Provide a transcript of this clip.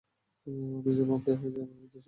আমি যে ভ্যাম্পায়ার হয়েছি আজ দুইশো বছর।